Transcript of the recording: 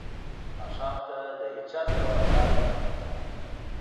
ماښام ته له هیچا سره وعده ونه کړم.